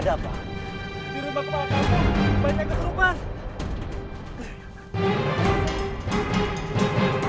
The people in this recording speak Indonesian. di rumah kepala kampung banyak keserupan